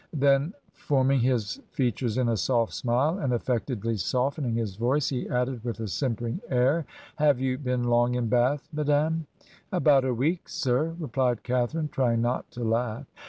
Then, form ing his features in a soft smile, and afifectedly softening his voice, he added with a simpering air, 'Have you been long in Bath, madam?' 'About a week, sir,' re plied Catharine, trying not to laugh.